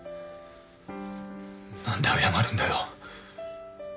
何で謝るんだよ